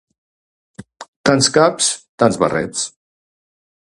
Tants caps tants barrets